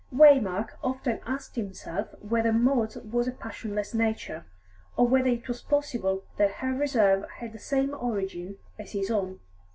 Waymark often asked himself whether Maud's was a passionless nature, or whether it was possible that her reserve had the same origin as his own.